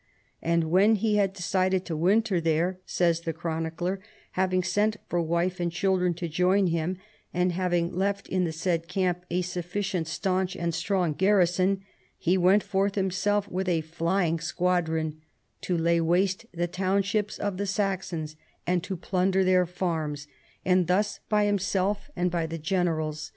And when he had decided to winter there," says the chronicler, " having sent for wife and children to join him, and having left in the said camp a sufficiently staunch and strong garrison, he went forth himself with a flying squadron to lay waste the townships of the Saxons and to plunder tlieir farms, and thus by himself and by the generals 156 CHARLEMAGNE.